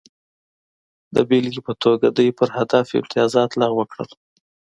د بېلګې په توګه دوی پر هدف امتیازات لغوه کړل